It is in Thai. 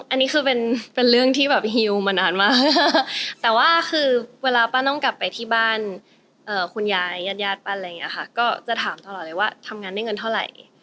อันนี้คือเป็นเรื่องที่แบบฮิวมานานมากแต่ว่าคือเวลาป้าต้องกลับไปที่บ้านคุณยายญาติญาติป้าอะไรอย่างนี้ค่ะก็จะถามตลอดเลยว่าทำงานได้เงินเท่าไหร่